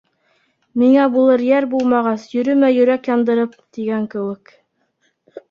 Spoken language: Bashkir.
«Миңә булыр йәр булмағас, йөрөмә йөрәк яндырып!» тигән кеүек...